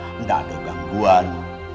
tidak ada gangguan